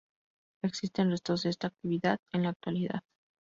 Existen restos de esta actividad en la actualidad.